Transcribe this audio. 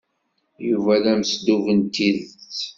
Yuba d ameslub n tidet.